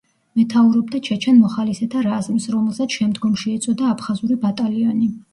მეთაურობდა ჩეჩენ მოხალისეთა რაზმს, რომელსაც შემდგომში ეწოდა „აფხაზური ბატალიონი“.